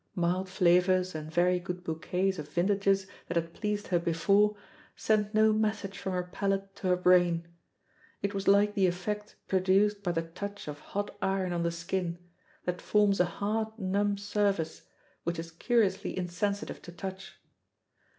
Mild flavours and very good bouquets of vintages that had pleased her before, sent no message from her palate to her brain. It was like the effect produced by the touch of hot iron on the skin, that forms a hard numb surface, which is curiously insensitive to touch.